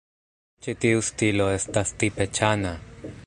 Ĉi tiu stilo estas tipe Ĉan-a.